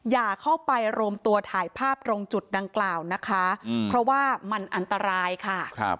อย่าเข้าไปรวมตัวถ่ายภาพตรงจุดดังกล่าวนะคะเพราะว่ามันอันตรายค่ะ